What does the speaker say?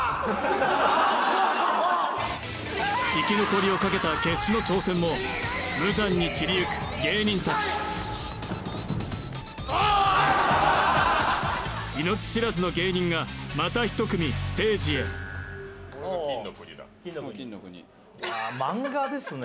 生き残りを賭けた決死の挑戦も無残に散りゆく芸人達命知らずの芸人がまた一組ステージへ金の国だ金の国漫画ですね